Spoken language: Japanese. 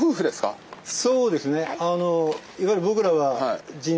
そうですね。